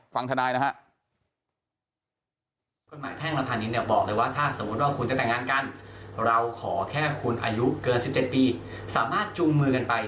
ฟังทนายนะฮะ